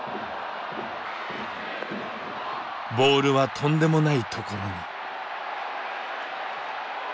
ボールはとんでもないところに。